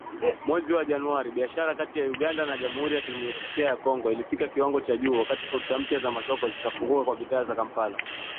mwezi Januari, biashara kati ya Uganda na Jamhuri ya Kidemokrasia ya Kongo ilifikia kiwango cha juu, wakati fursa mpya za masoko zikafunguka kwa bidhaa za Kampala.